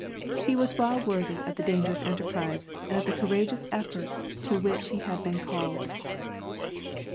He was well worthy of the dangerous enterprise and of the courageous efforts to which he had been called."